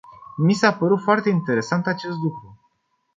Mi s-a părut foarte interesant acest lucru.